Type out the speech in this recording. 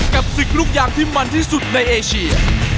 กับศึกลูกยางที่มันที่สุดในเอเชีย